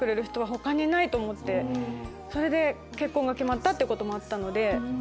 それで結婚が決まったってこともあったので。